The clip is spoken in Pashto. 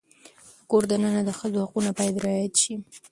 د کور دننه د ښځې حقونه باید رعایت شي.